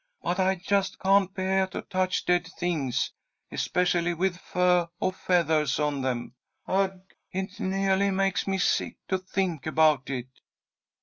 But I just can't beah to touch dead things, especially with fu'h or feathahs on them. Ugh! It neahly makes me sick to think about it!"